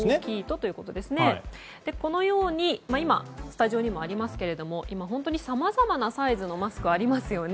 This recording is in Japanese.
このようにスタジオにありますが今、本当にさまざまなサイズのマスクがありますよね。